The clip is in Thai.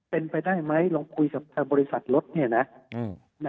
เป็นไปได้ไหมลองคุยกับทางบริษัทรถเนี่ยนะ